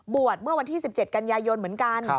เมื่อวันที่๑๗กันยายนเหมือนกัน